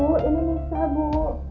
bu ini nanti bu